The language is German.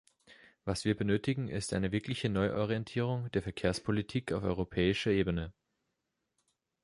Was wir benötigen, ist eine wirkliche Neuorientierung der Verkehrspolitik auf europäischer Ebene.